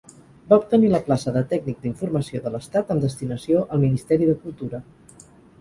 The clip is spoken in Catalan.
Va obtenir la plaça de tècnic d'informació de l'Estat amb destinació al Ministeri de Cultura.